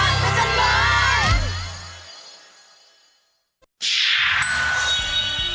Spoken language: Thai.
มค